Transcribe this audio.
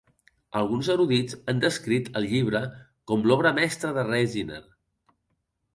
Alguns erudits han descrit el llibre com l'obra mestra de Resiner.